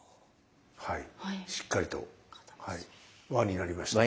はいしっかりと輪になりました。